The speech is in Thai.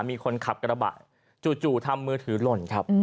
มีคนขับกระบะจู่ทำมือถือหล่นครับ